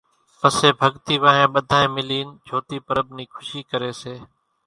پسي ڀڳتي وانھين ٻڌانئين ملين جھوتي پرٻ نِي کُشي ڪري سي